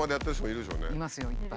いますよいっぱい。